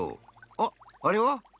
あっあれは？